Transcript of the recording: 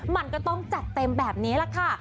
มันก็ต้องจัดเต็มแบบนี้แหละค่ะ